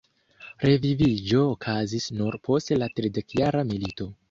Reviviĝo okazis nur post la tridekjara milito.